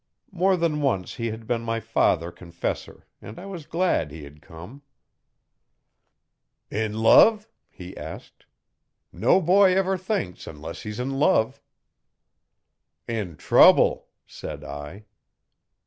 More than once he had been my father confessor and I was glad he had come. 'In love?' he asked. 'No boy ever thinks unless he's in love.' 'In trouble,' said I.